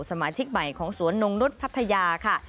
สมาชิกใหม่ของสวนนงนุษย์พัทยาค่ะ